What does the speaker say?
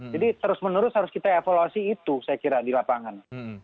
jadi terus menerus harus kita evaluasi itu saya kira di lapangan